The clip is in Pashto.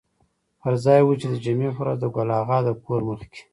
پر ځای و چې د جمعې په ورځ د ګل اغا د کور مخکې.